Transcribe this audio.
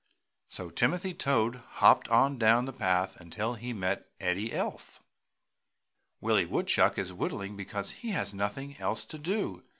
So Timothy Toad hopped on down the path until he met Eddie Elf. "Willie Woodchuck is whittling because he has nothing else to do!"